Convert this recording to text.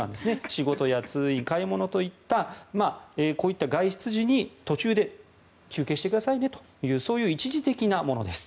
仕事や通院、買い物といったこういった外出時に途中で休憩してくださいねというそういう一時的なものです。